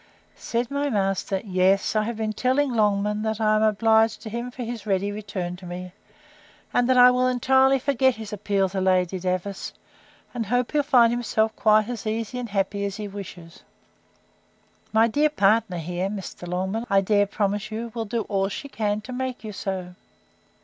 Said my master, Yes, I have been telling Longman that I am obliged to him for his ready return to me; and that I will entirely forget his appeal to Lady Davers; and I hope he'll find himself quite as easy and happy as he wishes. My dear partner here, Mr. Longman, I dare promise you, will do all she can to make you so.